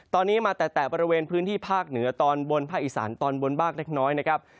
ตอนนี้มาแต่บริเวณพื้นที่ภาคเหนือตอนบนภาคอีสานตอนบนบ้างเล็กน้อยนะครับ